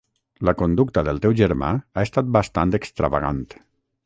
La conducta del teu germà ha estat bastant extravagant.